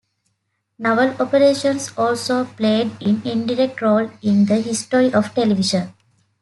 Naval Operations also played an indirect role in the history of television.